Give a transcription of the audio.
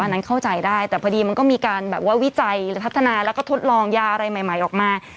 อันนั้นเข้าใจได้แต่พอดีมันก็มีการแบบว่าวิจัยพัฒนาแล้วก็ทดลองยาอะไรใหม่ออกมา